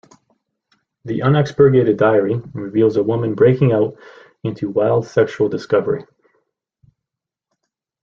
The unexpurgated diary reveals a woman breaking out into wild sexual discovery.